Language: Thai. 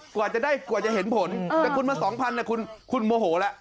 กว่าจะเห็นผลแต่คุณมา๒๐๐๐คุณโมโหแล้ว